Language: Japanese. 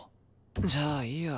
じゃあいいや。